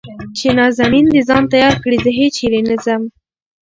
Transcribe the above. چې نازنين د ځان تيار کړي زه هېچېرې نه ځم .